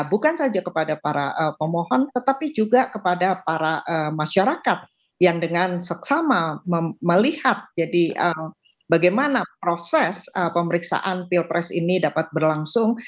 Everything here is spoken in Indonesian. bukan saja kepada para pemohon tetapi juga kepada para masyarakat yang dengan seksama melihat bagaimana proses pemeriksaan pilpres ini dapat berlangsung